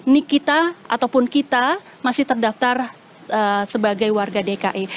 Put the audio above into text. ini kita ataupun kita masih terdaftar sebagai warga dki